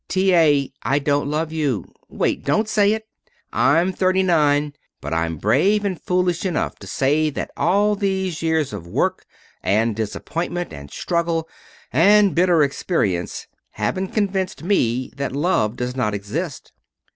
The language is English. "T. A., I don't love you. Wait! Don't say it! I'm thirty nine, but I'm brave and foolish enough to say that all these years of work, and disappointment, and struggle, and bitter experience haven't convinced me that love does not exist.